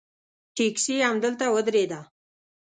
ټیکسي همدلته ودرېده.